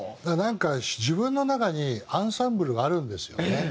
なんか自分の中にアンサンブルがあるんですよね。